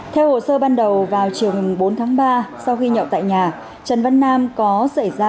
theo hồ sơ ban đầu vào chiều bốn tháng ba sau khi nhậu tại nhà trần văn nam có xảy ra